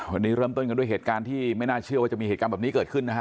วันนี้เริ่มต้นกันด้วยเหตุการณ์ที่ไม่น่าเชื่อว่าจะมีเหตุการณ์แบบนี้เกิดขึ้นนะฮะ